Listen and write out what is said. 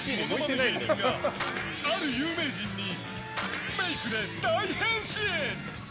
芸人がある有名人にメイクで大変身。